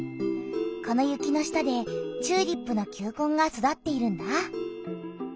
この雪の下でチューリップの球根が育っているんだ。